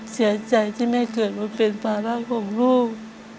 เสียใจที่แม่เกิดมาเป็นภาระของลูก